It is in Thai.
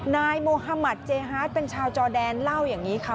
นายโมฮามัติเจฮาร์ดเป็นชาวจอแดนเล่าอย่างนี้ค่ะ